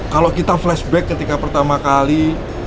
kalau kita flashback ketika pertama kali